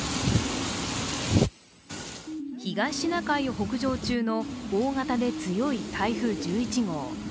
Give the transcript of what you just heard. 東シナ海を北上中の大型で強い台風１１号。